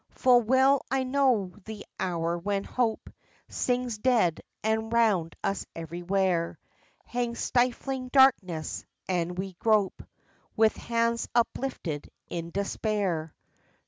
Full well I know the hour when hope Sinks dead, and 'round us everywhere Hangs stifling darkness, and we grope With hands uplifted in despair.